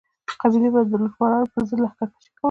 قبیلې به د لوټمارانو پر ضد لښکر کشي کوله.